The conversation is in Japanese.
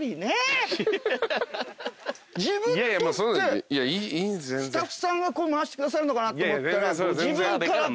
自分取ってスタッフさんが回してくださるのかなと思ったら自分からこう。